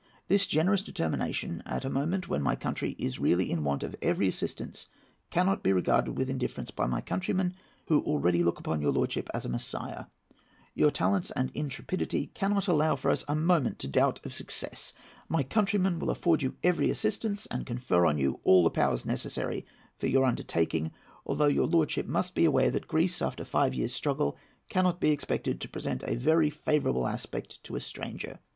This generous determination, at a moment when my country is really in want of every assistance, cannot be regarded with indifference by my countrymen, who already look upon your lordship as a Messiah. Your talents and intrepidity cannot allow us for a moment to doubt of success. My countrymen will afford you every assistance, and confer on you all the powers necessary for your undertaking; although your lordship must be aware that Greece, after five years' struggle, cannot be expected to present a very favourable aspect to a stranger.